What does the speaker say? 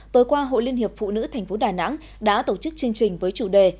tối qua hội liên hiệp phụ nữ tp đà nẵng đã tổ chức chương trình với chủ đề